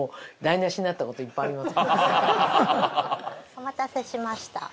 お待たせしました。